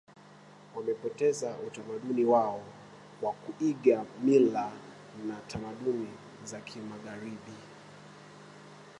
Wamepoteza utamaduni wao kwa kuiga mila na tamaduni za kimagharibi